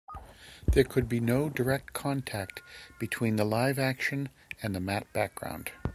There could be no direct contact between the live action and the matte background.